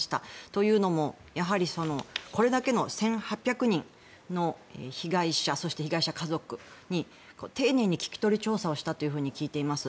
というのも、やはりこれだけの１８００人の被害者そして被害者家族に丁寧に聞き取り調査をしたと聞いています。